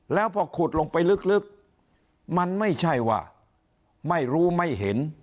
แล้วพอขุดลงไปลึกมันไม่ใช่ว่าไม่รู้ไม่เห็น